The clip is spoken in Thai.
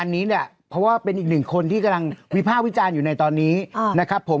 อันนี้เนี่ยเพราะว่าเป็นอีกหนึ่งคนที่กำลังวิภาควิจารณ์อยู่ในตอนนี้นะครับผม